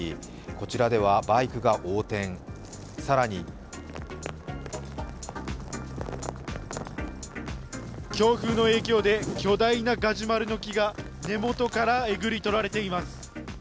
こちらではバイクが横転、更に強風の影響で巨大なガジュマルの木が根元からえぐり取られています。